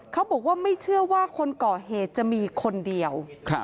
เขาบอกว่าไม่เชื่อว่าคนก่อเหตุจะมีคนเดียว